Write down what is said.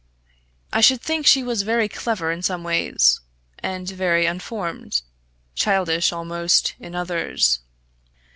I should think she was very clever in some ways and very unformed childish almost in others.